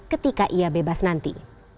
ketika ia bebas nanti